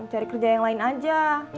cari kerja yang lain aja